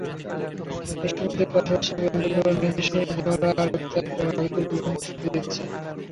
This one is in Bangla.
এসব সুবিধার পাশাপাশি ব্যাংকগুলো নিজস্ব নীতিমালার আলোকেও তাদের গ্রাহকদের বিভিন্ন সুবিধা দিচ্ছে।